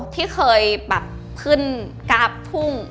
ที่เคยขึ้นกราฟพุ่ง